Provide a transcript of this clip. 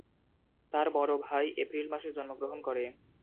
তার বড় ভাই এপ্রিল মাসে জন্মগ্রহণ করে।